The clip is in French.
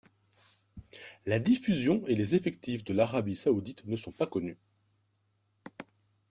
La diffusion et les effectifs de l'Arabie saoudite ne sont pas connus.